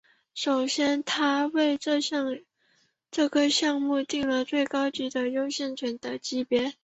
首先他们为这个项目订了高级优先权的级别。